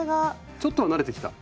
ちょっとは慣れてきた？